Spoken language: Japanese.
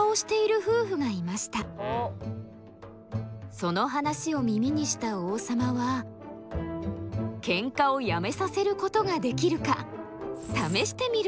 その話を耳にした王様はケンカをやめさせることができるか試してみることにしました。